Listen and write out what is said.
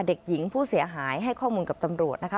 เด็กหญิงผู้เสียหายให้ข้อมูลกับตำรวจนะคะ